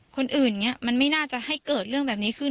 อย่างนี้มันไม่น่าจะให้เกิดเรื่องแบบนี้ขึ้น